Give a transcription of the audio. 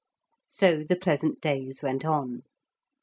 So the pleasant days went on.